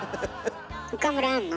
岡村あんの？